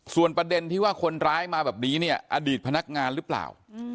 ส่วนประเด็นที่ว่าคนร้ายมาแบบนี้เนี่ยอดีตพนักงานหรือเปล่า